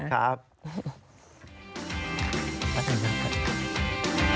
ขอบคุณนะคะขอบคุณค่ะ